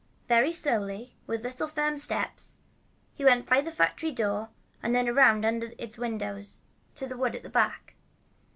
Very slowly, with little firm steps, he went by the factory door, and then around under its windows to the wood at the back.